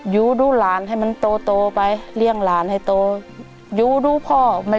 ยู้ดูหลานให้มันโตไปเรียงหลานก็ไม่อยากตาย